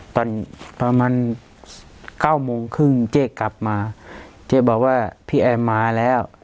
ประมาณเก้าโมงครึ่งเจ๊กลับมาเจ๊บอกว่าพี่แอมมาแล้ว